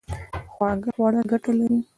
خواږه خوړل ګټه لري